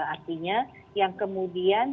artinya yang kemudian